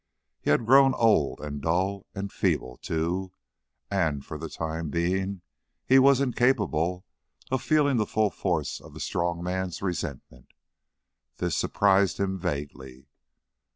He had grown old and dull and feeble, too, and for the time being he was incapable of feeling the full force of a strong man's resentment. This surprised him vaguely.